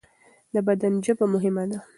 د بدن ژبه مهمه ده.